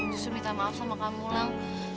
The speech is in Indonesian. justru minta maaf sama kamu lah